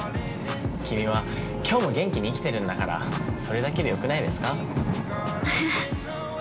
君は、きょうも元気に生きてるんだからそれだけでよくないですか？